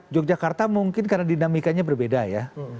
yogyakarta mungkin karena dinamikanya berbeda ya